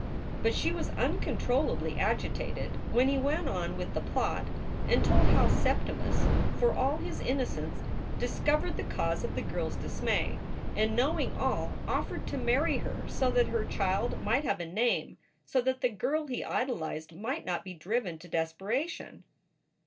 But she was uncontrollably agitated when he went on with the plot and told how Septimus, for all his innocence, SOULS FOR SALE 293 discovered the cause of the girl s dismay and, knowing all, offered to marry her so that her child might have a name, so that the girl he idolized might not be driven to desperation.